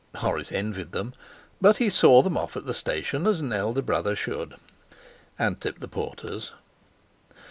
Horace envied them, but he saw them off at the station as an elder brother should, and tipped the porters.